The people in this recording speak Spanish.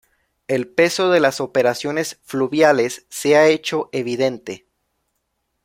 El peso de las operaciones fluviales se ha hecho evidente.